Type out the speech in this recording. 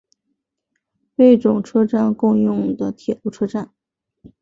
贝冢车站共用的铁路车站。